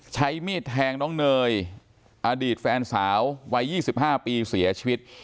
ใช้มีดแทงน้องเนยอดีตแฟนสาววัย๒๕ปีเสียชีวิต